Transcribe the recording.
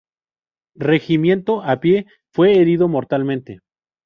Regimiento a pie fue herido mortalmente.